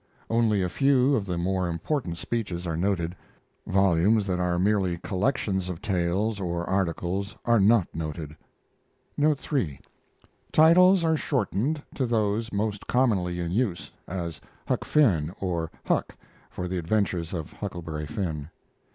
Only a few of the more important speeches are noted. Volumes that are merely collections of tales or articles are not noted. Note 3. Titles are shortened to those most commonly in use, as "Huck Finn" or "Huck" for "The Adventures of Huckleberry Finn."